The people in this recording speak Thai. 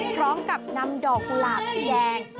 พร้อมกับนำดอกกุหลาบสีแดง